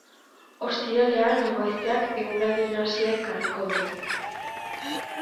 Ostiralean hego haizeak eguraldi nahasia ekarriko du.